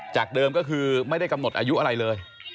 เดิมก็คือไม่ได้กำหนดอายุอะไรเลย